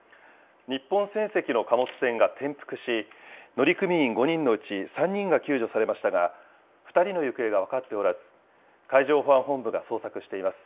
日本船籍の貨物船が転覆し、乗組員５人のうち３人が救助されましたが、２人の行方が分かっておらず、海上保安本部が捜索しています。